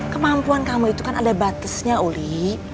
kemampuan kamu itu kan ada batasnya oli